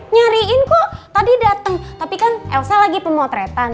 nyariin kok tadi datang tapi kan elsa lagi pemotretan